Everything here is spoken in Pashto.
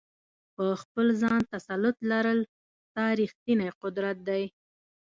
په خپل ځان تسلط لرل، ستا ریښتنی قدرت دی.